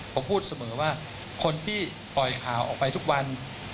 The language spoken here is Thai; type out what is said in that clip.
ผมพูดเสมอว่าคนที่ปล่อยข่าวออกไปทุกวัน